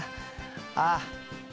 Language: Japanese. ああ。